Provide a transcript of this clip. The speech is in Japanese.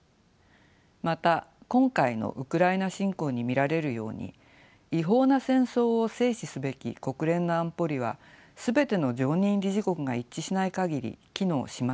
また今回のウクライナ侵攻に見られるように違法な戦争を制止すべき国連の安保理は全ての常任理事国が一致しない限り機能しません。